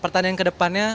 pertanian ke depannya